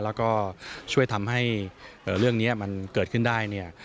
แล้วก็ช่วยทำให้เรื่องนี้มันเกิดขึ้นได้เนี่ย